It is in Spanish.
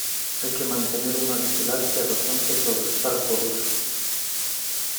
hay que mantener una vigilancia constante sobre el barco ruso.